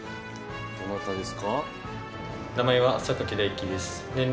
どなたですか？